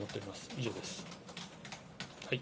以上です。